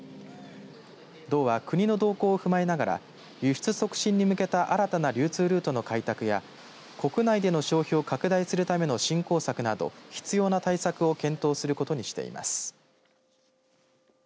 道は国の動向を踏まえながら輸出促進に向けた新たな流通ルートの開拓や国内での消費を拡大するための振興策など必要な対策を検討することにしています。